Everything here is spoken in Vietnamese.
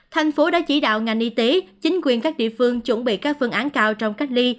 thành phố đã chỉ đạo ngành y tế chính quyền các địa phương chuẩn bị các phương án cao trong cách ly